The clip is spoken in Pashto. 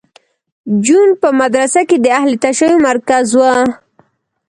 جون په مدرسه کې د اهل تشیع مرکز و